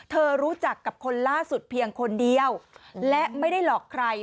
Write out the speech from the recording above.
รู้จักกับคนล่าสุดเพียงคนเดียวและไม่ได้หลอกใคร